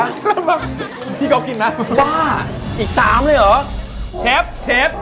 กำลังมังพี่เขากินน่ะว่าอีกสามเลยเหรอแชฟแชฟ